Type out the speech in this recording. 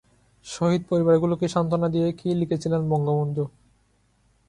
শহীদ পরিবারগুলোকে সান্ত্বনা দিয়ে কি লিখেছিলেন বঙ্গবন্ধু?